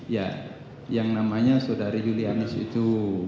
ya yang namanya saudari julianis itu